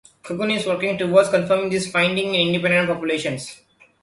Cahoon is working towards confirming these findings in independent populations.